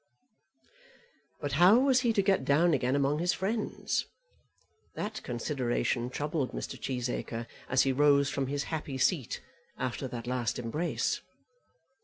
But how was he to get down again among his friends? That consideration troubled Mr. Cheesacre as he rose from his happy seat after that last embrace.